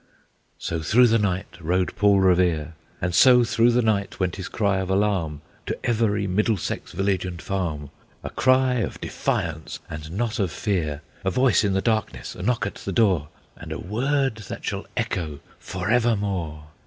So through the night rode Paul Revere; And so through the night went his cry of alarm To every Middlesex village and farm, A cry of defiance and not of fear, A voice in the darkness, a knock at the door, And a word that shall echo forevermore!